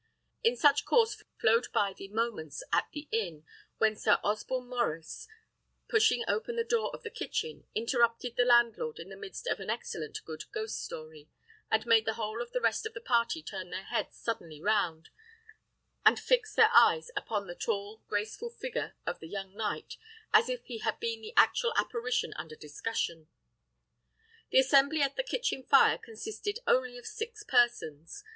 In such course flowed by the moments at the inn, when Sir Osborne Maurice, pushing open the door of the kitchen, interrupted the landlord in the midst of an excellent good ghost story, and made the whole of the rest of the party turn their heads suddenly round, and fix their eyes upon the tall, graceful figure of the young knight, as if he had been the actual apparition under discussion. The assembly at the kitchen fire consisted only of six persons.